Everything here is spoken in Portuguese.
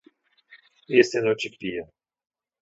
estenotipia